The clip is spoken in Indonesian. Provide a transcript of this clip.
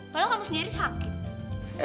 malah kamu sendiri sakit